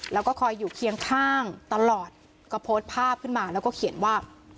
แล้วก็คอยอยู่เคียงข้างตลอดก็โพสต์ภาพขึ้นมาแล้วก็เขียนว่า